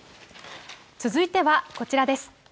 続いてはこちらです。